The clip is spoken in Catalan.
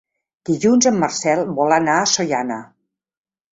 Dilluns en Marcel vol anar a Sollana.